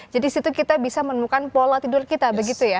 jadi disitu kita bisa menemukan pola tidur kita begitu ya